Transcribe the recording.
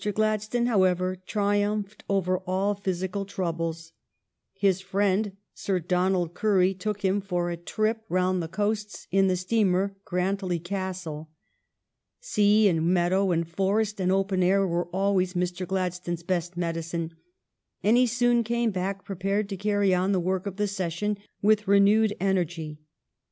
Gladstone, how ever, triumphed over all physical troubles. His friend. Sir Don ald Currie, took him for a trip round the coasts sir chaki.u> dilke m the steamer Grantully Castle. Sea and meadow and forest and open air were always Mr. Gladstone's best medi cine, and he soon came back prepared to carry on the work of the session with renewed energy.